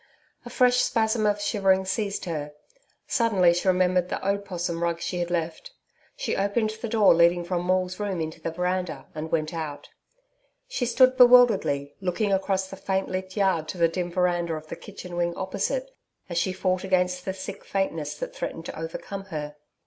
A fresh spasm of shivering seized her. Suddenly she remembered the opossum rug she had left. She opened the door leading from Maule's room into the veranda, and went out. She stood bewilderedly, looking across the faint lit yard to the dim veranda of the kitchen wing opposite, as she fought against the sick faintness that threatened to overcome her.